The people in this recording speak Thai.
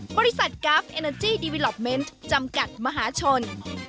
กราฟเอเนอร์จี้ดีวิลอปเมนต์จำกัดมหาชน